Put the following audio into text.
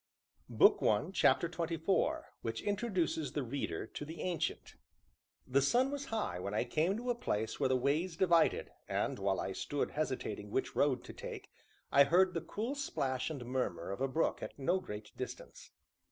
CHAPTER XXIV WHICH INTRODUCES THE READER TO THE ANCIENT The sun was high when I came to a place where the ways divided, and, while I stood hesitating which road to take, I heard the cool plash and murmur of a brook at no great distance.